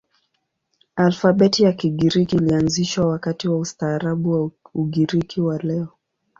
Alfabeti ya Kigiriki ilianzishwa wakati wa ustaarabu wa Ugiriki wa leo.